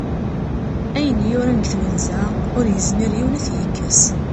Ayen yuran deg twenza, ur yezmir yiwen ad t-yekkes.